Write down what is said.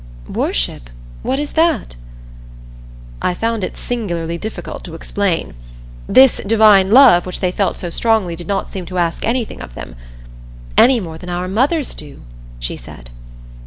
"Worship? What is that?" I found it singularly difficult to explain. This Divine Love which they felt so strongly did not seem to ask anything of them "any more than our mothers do," she said.